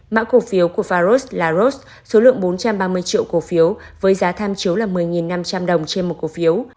mã cổ phiếu của faros là ros số lượng bốn trăm ba mươi triệu cổ phiếu với giá tham chiếu là một mươi năm trăm linh đồng trên một cổ phiếu